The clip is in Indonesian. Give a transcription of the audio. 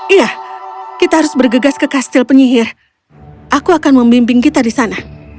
iya kita harus bergegas ke kastil penyihir aku akan membimbing kita di sana